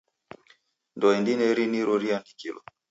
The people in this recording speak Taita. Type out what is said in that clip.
Ndoe ndineri niro riandikilo.